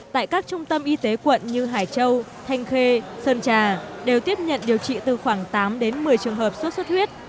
tại các trung tâm y tế quận như hải châu thanh khê sơn trà đều tiếp nhận điều trị từ khoảng tám đến một mươi trường hợp sốt xuất huyết